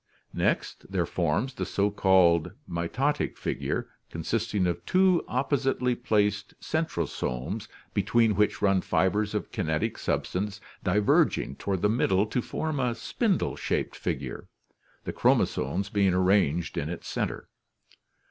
Next there forms the so called mitotic figure (see Fig. 24), consist ing of two oppositely placed centrosomes, between which run fibers of kinetic substance diverging toward the middle to form a spindle shaped figure, the chromosomes being arranged in its THE LIFE CYCLE 195 center.